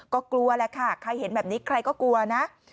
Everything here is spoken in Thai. ก็กลัวแหละค่ะใครเห็นแบบนี้ใครก็กลัวนะ